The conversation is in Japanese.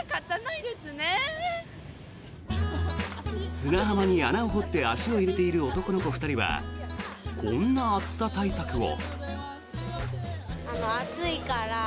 砂浜に穴を掘って足を入れている男の子２人はこんな暑さ対策を。